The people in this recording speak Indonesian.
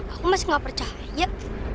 aku masih gak percaya